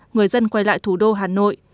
người dân quay lại thủ đô hà nội